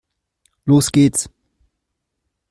Los geht's!